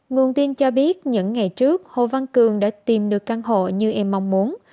nguồn tin cho biết những ngày trước hồ văn cường đã tìm được căn hộ như em mong muốn